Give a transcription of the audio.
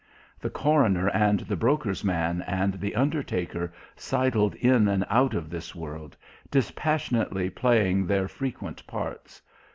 The coroner and the broker's man and the undertaker sidled in and out of this world, dispassionately playing their frequent parts....